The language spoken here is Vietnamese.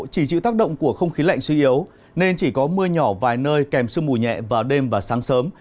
chỉ chịu tác động của không khí lạnh suy yếu nên chỉ có mưa nhỏ vài nơi kèm sương mù nhẹ vào đêm và sáng sớm